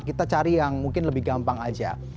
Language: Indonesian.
kita cari yang mungkin lebih gampang aja